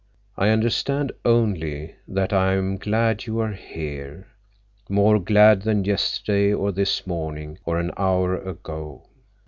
"I understand—only—that I am glad you are here, more glad than yesterday, or this morning, or an hour ago."